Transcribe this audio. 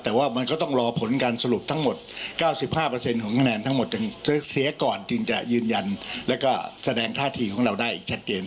แต่ว่ามันก็ต้องรอผลการสรุปทั้งหมด๙๕ของคะแนนทั้งหมดเสียก่อนจึงจะยืนยันแล้วก็แสดงท่าทีของเราได้อีกชัดเจน